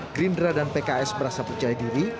gerindra dan pks merasa percaya diri